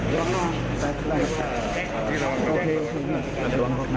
ก็คงไม่ได้ถึงแถลงครับแต่ว่า